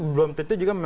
belum tentu juga